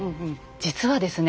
実はですね